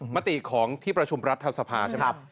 มติของที่ประชุมรัฐสภาใช่ไหมครับ